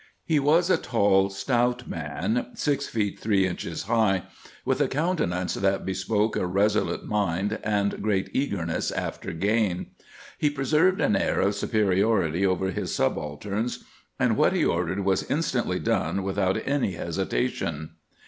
He was a tall stout man, six feet three inches high, with a countenance that bespoke a resolute mind, and great eagerness after gain. He preserved an air of superiority over his 3e2 396 RESEARCHES AND OPERATIONS subalterns, and what he ordered was instantly done without any hesitation.